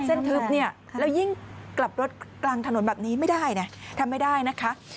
ใช่ครับนี่ครับเส้นถึบเนี่ยแล้วยิ่งกลับรถกลางถนนแบบนี้ไม่ได้ทำไม่ได้นะคะ